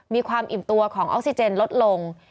มีความอิ่มตัวของออกซิเจนลดลง